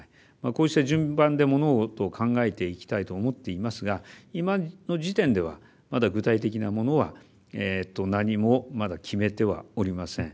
こうした順番で物事を考えていきたいと思っていますが今の時点ではまだ具体的なものは何もまだ決めてはおりません。